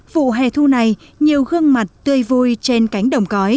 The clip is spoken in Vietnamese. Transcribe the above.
vụ hè thu này nhiều gương mặt tươi vui trên cánh đồng cõi